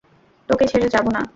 তোকে ছেড়ে যাবো না।